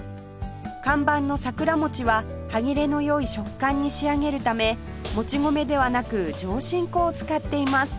看板のさくら餅は歯切れの良い食感に仕上げるためもち米ではなく上新粉を使っています